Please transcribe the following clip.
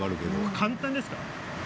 簡単ですか？